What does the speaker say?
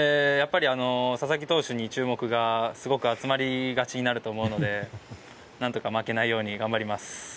佐々木投手に注目がすごく集まりがちになると思うので何とか負けないように頑張ります。